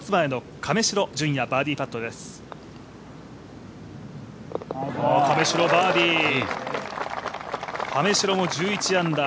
亀代も１１アンダー